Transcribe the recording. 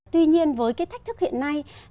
tuy nhiên với cái thách thức hiện nay